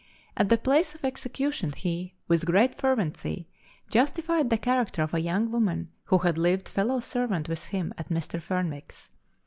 At the place of execution he, with great fervency, justified the character of a young woman who had lived fellow servant with him at Mr. Fenwick's.